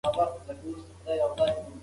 پالیسي باید روښانه وي.